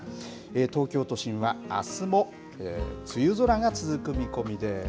東京都心はあすも梅雨空が続く見込みです。